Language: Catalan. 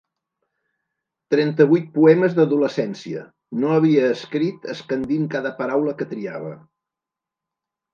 Trenta-vuit poemes d'adolescència, no havia escrit escandint cada paraula que triava.